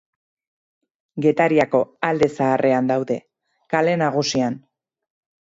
Getariako Alde Zaharrean daude, Kale Nagusian.